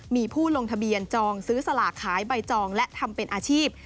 มีผู้ลงทะเบียนจองซื้อสลากขายใบจองและทำเป็นอาชีพ